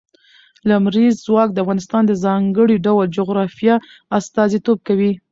لمریز ځواک د افغانستان د ځانګړي ډول جغرافیه استازیتوب کوي.